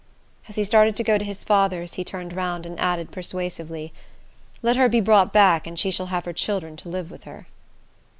As he started to go to his father's, he turned round and added, persuasively, "Let her be brought back, and she shall have her children to live with her."